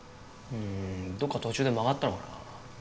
うーんどっか途中で曲がったのかな。